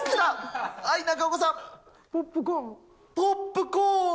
ポップコーン。